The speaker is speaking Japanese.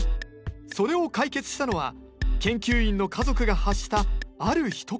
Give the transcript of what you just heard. それを解決したのは研究員の家族が発したあるひと言だった。